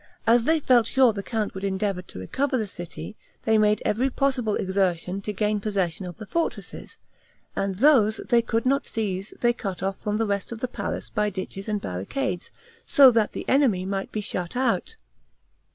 As they felt sure the count would endeavor to recover the city, they made every possible exertion to gain possession of the fortresses, and those they could not seize they cut off from the rest of the place by ditches and barricades, so that the enemy might be shut out.